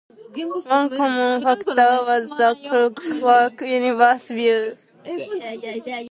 One common factor was the clockwork universe view.